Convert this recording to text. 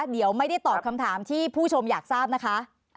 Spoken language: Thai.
เดี๋ยวไม่ได้ตอบคำถามที่ผู้ชมอยากทราบนะคะ